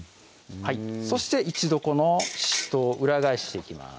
そして一度このししとう裏返していきます